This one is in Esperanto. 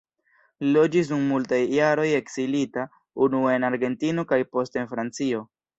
Li loĝis dum multaj jaroj ekzilita, unue en Argentino kaj poste en Francio.